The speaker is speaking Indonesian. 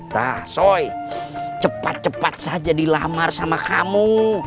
nah soi cepat cepat saja dilamar sama kamu